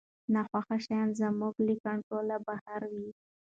ناخوښه شیان زموږ له کنټروله بهر وي.